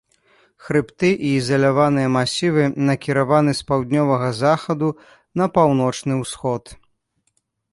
Хрыбты і ізаляваныя масівы накіраваны з паўднёвага захаду на паўночны ўсход.